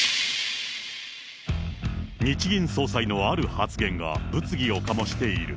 日銀総裁のある発言が物議を醸している。